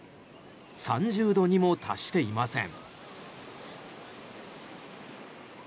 ３０度にも達していません。